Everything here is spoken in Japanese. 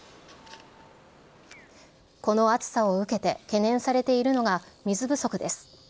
この暑さを受けて懸念されているのが、水不足です。